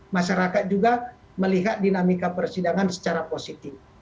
masyarakat juga melihat dinamika persidangan secara positif